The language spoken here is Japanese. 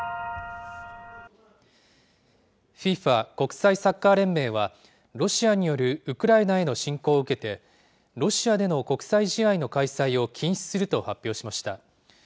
ＦＩＦＡ・国際サッカー連盟は、ロシアによるウクライナへの侵攻を受けて、ロシアでの国際試合の開催を禁止すると発表しました。